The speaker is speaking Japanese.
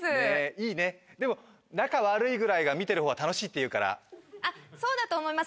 いいねでも仲悪いぐらいが見てる方は楽しいっていうからあっそうだと思います